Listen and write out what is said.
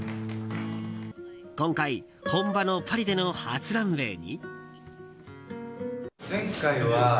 今回、本場のパリでの初ランウェーに。